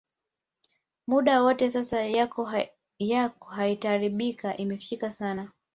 muda wote sasa yako haitabiriki Imefichika maana